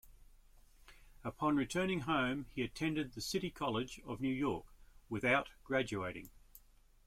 Upon returning home, he attended the City College of New York without graduating.